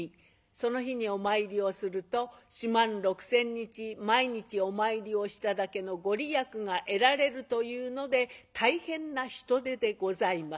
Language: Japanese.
その日にお参りをすると四万六千日毎日お参りをしただけの御利益が得られるというので大変な人出でございます。